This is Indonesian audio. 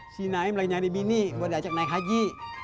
si naim lagi nyari bini buat ajak naik haji